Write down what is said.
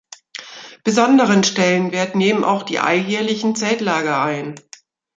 Besonderen Stellenwert nehmen auch die alljährlichen Zeltlager ein.